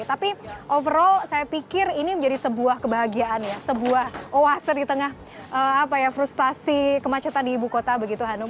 tapi overall saya pikir ini menjadi sebuah kebahagiaan ya sebuah oase di tengah frustasi kemacetan di ibu kota begitu hanum